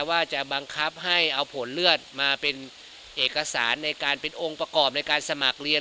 ว่าจะบังคับให้เอาผลเลือดมาเป็นเอกสารในการเป็นองค์ประกอบในการสมัครเรียน